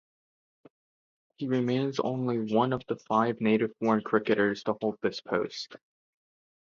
He remains only one of five native-born cricketers to hold this post.